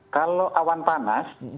kalau awan panas